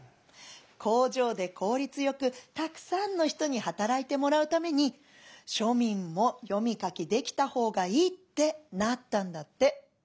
工場で効率よくたくさんの人に働いてもらうために庶民も読み書きできたほうがいいってなったんだって」。